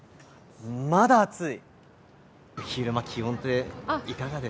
まだ暑い。